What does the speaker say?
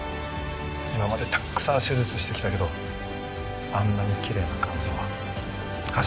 今までたくさん手術してきたけどあんなにきれいな肝臓は初めて見た。